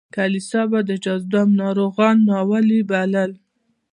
کلیسا به د جذام ناروغان ناولي بلل.